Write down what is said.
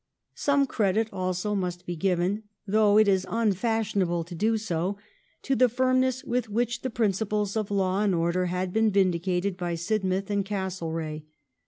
Some credit also must be given — though it is unfashionable to do so — to the firmness with which the principles of law and order had been vindicated by Sidmouth and Castlereagh.